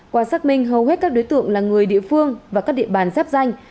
qua xác minh hầu hết các đối tượng là người địa phương và các địa bàn giáp danh